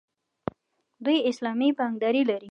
دوی اسلامي بانکداري لري.